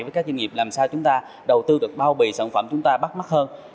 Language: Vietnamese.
với các doanh nghiệp làm sao chúng ta đầu tư được bao bì sản phẩm chúng ta bắt mắt hơn